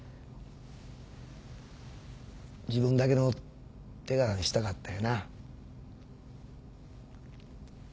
自分だけの手柄にしたかったんやな。